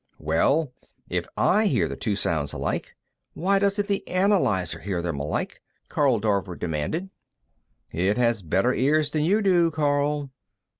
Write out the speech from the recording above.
"Well, if I hear the two sounds alike, why doesn't the analyzer hear them alike?" Karl Dorver demanded. "It has better ears than you do, Karl.